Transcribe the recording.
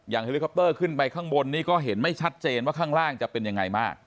เฮลิคอปเตอร์ขึ้นไปข้างบนนี้ก็เห็นไม่ชัดเจนว่าข้างล่างจะเป็นยังไงมาก